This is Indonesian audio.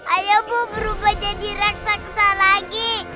ayahmu berubah jadi raksasa lagi